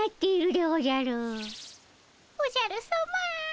おじゃるさま。